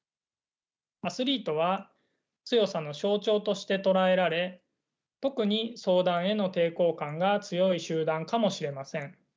アスリートは強さの象徴として捉えられ特に相談への抵抗感が強い集団かもしれません。